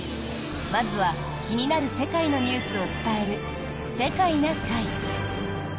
まずは気になる世界のニュースを伝える「世界な会」。